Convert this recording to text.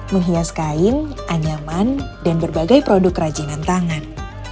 menghias kain anyaman dan berbagai produk kerajinan tangan